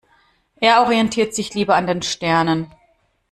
Er orientiert sich lieber an den Sternen.